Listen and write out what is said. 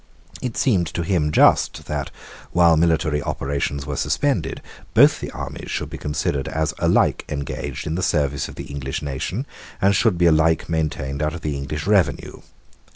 It seemed to him just that, while military operations were suspended, both the armies should be considered as alike engaged in the service of the English nation, and should be alike maintained out of the English revenue.